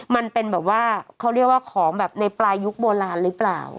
มันเป็นแบบว่าเขาเรียกว่าของแบบในปลายยุคโบราณหรือเปล่า